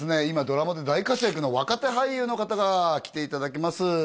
今ドラマで大活躍の若手俳優の方が来ていただけます